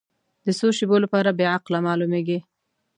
د څو شیبو لپاره بې عقل معلومېږي.